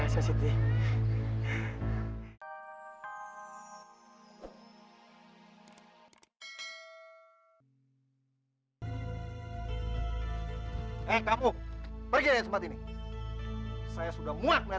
sampai jumpa di video selanjutnya